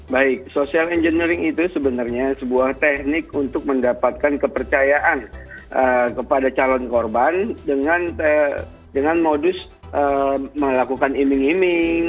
baik social engineering itu sebenarnya sebuah teknik untuk mendapatkan kepercayaan kepada calon korban dengan modus melakukan iming iming